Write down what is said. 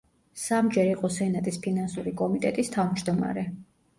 სამჯერ იყო სენატის ფინანსური კომიტეტის თავმჯდომარე.